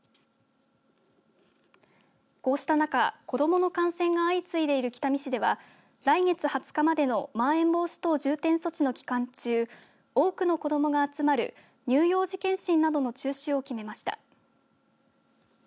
こうした中、子どもの感染が相次いでる北見市では来月２０日までのまん延防止等重点措置の期間中多くの子どもが集まる乳幼児検診などの中止を決めました。